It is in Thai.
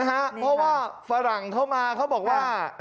อัตรกรังเข้ามาเขาบอกว่า